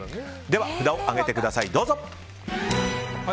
では札を上げてください。